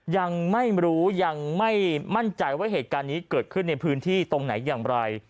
ยังไม่รู้ยังไม่มั่นใจว่าเหตุการณ์นี้เกิดขึ้นในพื้นที่ตรงไหนอย่างไร